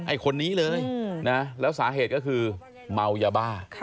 คนนี้เลยนะแล้วสาเหตุก็คือเมายาบ้า